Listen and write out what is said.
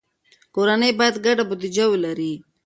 کورنۍ باید ګډه بودیجه ولري.